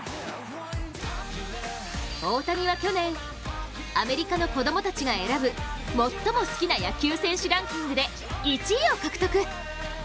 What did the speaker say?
大谷は去年、アメリカの子供たちが選ぶ最も好きな野球選手ランキングで１位を獲得。